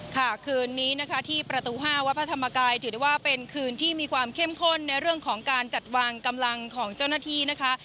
ค่ะคืนนี้นะคะที่ประตู๕วัดพระธรรมกายถือได้ว่าเป็นคืนที่มีความเข้มข้นในเรื่องของการจัดวางกำลังของเจ้าหน้าที่นะคะ